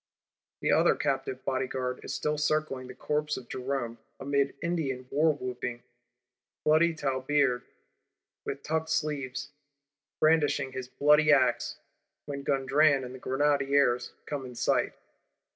The other captive Bodyguard is still circling the corpse of Jerome, amid Indian war whooping; bloody Tilebeard, with tucked sleeves, brandishing his bloody axe; when Gondran and the Grenadiers come in sight.